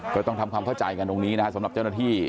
ก็ต้องทำความเข้าใจกันตรงนี้นะครับสำหรับเจ้าหน้าที่